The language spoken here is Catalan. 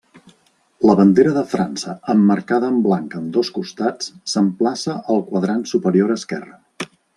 La bandera de França emmarcada en blanc en dos costats s'emplaça al quadrant superior esquerra.